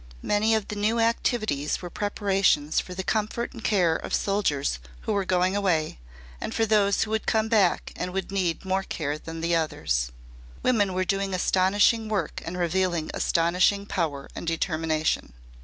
Many of the new activities were preparations for the comfort and care of soldiers who were going away, and for those who would come back and would need more care than the others. Women were doing astonishing work and revealing astonishing power and determination.